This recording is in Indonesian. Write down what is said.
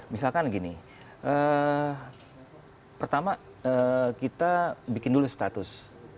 misalkan gini pertama kita bikin dulu status